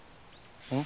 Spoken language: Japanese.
うん？